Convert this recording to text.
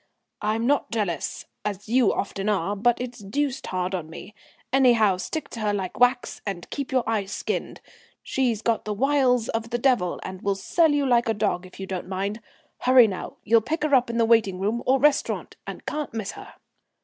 "I'm not jealous, as you often are, but it's deuced hard on me. Anyhow, stick to her like wax, and keep your eyes skinned. She's got the wiles of the devil, and will sell you like a dog if you don't mind. Hurry now; you'll pick her up in the waiting room or restaurant, and can't miss her."